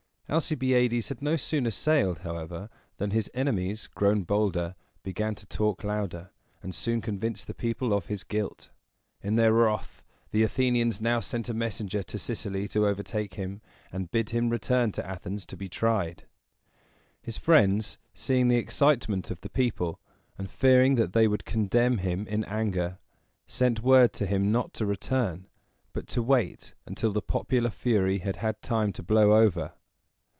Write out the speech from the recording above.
Alcibiades had no sooner sailed, however, than his enemies, grown bolder, began to talk louder, and soon convinced the people of his guilt. In their wrath, the Athenians now sent a messenger to Sicily to overtake him, and bid him return to Athens to be tried. His friends, seeing the excitement of the people, and fearing that they would condemn him in anger, sent word to him not to return, but to wait until the popular fury had had time to blow over.